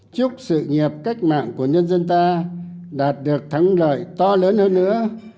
chúc sự nghiệp cách mạng của nhân dân ta đạt được thắng lợi to lớn hơn nữa